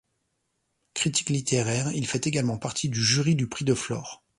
Critique littéraire, il fait également partie du jury du Prix de Flore.